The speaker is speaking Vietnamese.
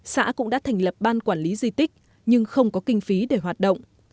xã cũng đã thành lập ban quản lý di tích nhưng không có kinh phí để hoạt động